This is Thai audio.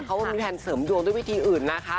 เขามีแพลนเสริมดวงด้วยวิธีอื่นนะคะ